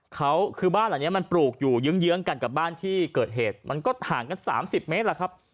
เขาคือบ้านหลังนี้มันปลูกอยู่เยื้องกันกับบ้านที่เกิดเหตุมันก็ห่างกันสามสิบเมตรแหละครับ